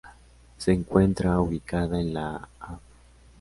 Se encuentra ubicada en la Av.